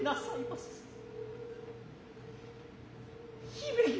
姫君。